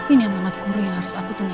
ini amat guru yang harus aku tenaga